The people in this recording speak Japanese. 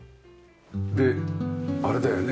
であれだよね